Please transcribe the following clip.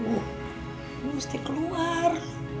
bu bu mesti keluar